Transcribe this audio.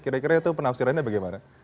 kira kira itu penafsirannya bagaimana